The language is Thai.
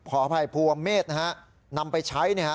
ขออภัยภูวเมฆฮิรันด์นะฮะนำไปใช้เนี่ยฮะ